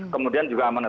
kemudian juga menetes